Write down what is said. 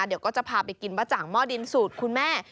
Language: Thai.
เดี๋ยวก็จะพาไปกินบะจ่างหม้อดินสูตรคุณแม่